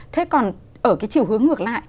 thế còn ở cái chiều hướng ngược lại